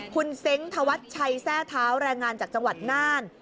คุณเซ้งธวัชชัยแทร่เท้าแรงงานจากจังหวัดน่าน